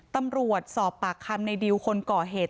ตำรวจสอบปากคำในดิวคนก่อเหตุ